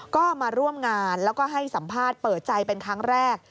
ก็มาร่วมงานแล้วก็ให้สัมภาษณ์เปิดใจเป็นครั้งแรก